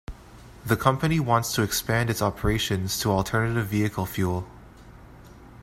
The company wants to expand its operations to alternative vehicle fuel.